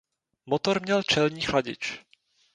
Motor měl čelní chladič.